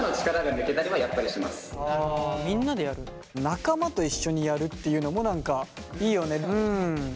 仲間と一緒にやるっていうのも何かいいよね。